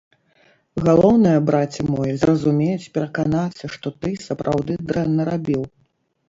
Галоўнае, браце мой, зразумець, пераканацца, што ты сапраўды дрэнна рабіў.